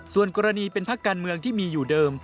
ส่วนกรณีเป็นพักการเมืองที่มีอยู่เดิม